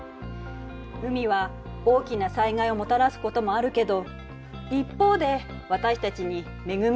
海は大きな災害をもたらすこともあるけど一方で私たちに恵みをもたらしてくれる。